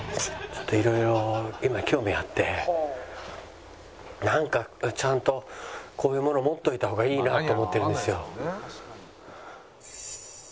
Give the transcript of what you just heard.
ちょっと色々なんかちゃんとこういうもの持っといた方がいいなと思ってるんですよ。